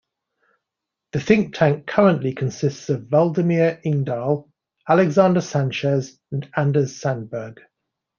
The think tank currently consists of: Waldemar Ingdahl, Alexander Sanchez, and Anders Sandberg.